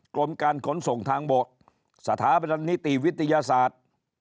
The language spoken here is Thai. กรมการขนส่งทางบกสถาบันนิติวิทยาศาสตร์